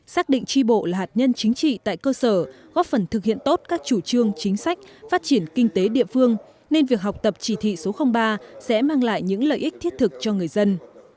xác định tri bộ là hạt nhân chính trị tại cơ sở góp phần thực hiện tốt các chủ trương chính sách phát triển kinh tế địa phương nên việc học tập chỉ thị số ba sẽ mang lại những lợi ích thiết thực cho người dân